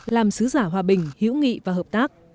làm xứ giả hòa bình hữu nghị và hợp tác